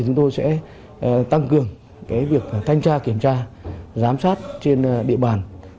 chúng tôi sẽ tăng cường việc thanh tra kiểm tra giám sát trên địa bàn